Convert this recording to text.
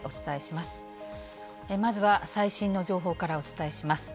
まずは最新の情報からお伝えします。